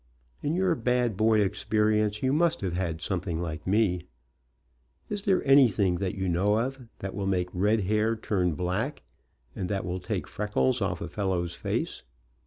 In your bad boy experience you must have had something like me. Is there anything that you know of that will make red hair turn black, and that will take freckles off a fellow's face?